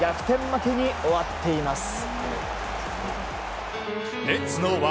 負けに終わっています。